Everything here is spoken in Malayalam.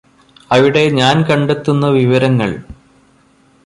അവിടെ ഞാന് കണ്ടെത്തുന്ന വിവരങ്ങള്